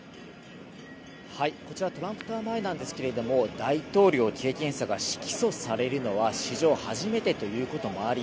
トランプタワー前ですけども大統領経験者が起訴されるのは史上初めてということもあり